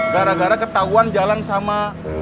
gara gara ketahuan jalan sama